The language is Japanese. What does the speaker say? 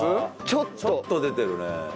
ちょっと出てるね。